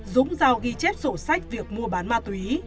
dũng giao ghi chép sổ sách việc mua bán ma túy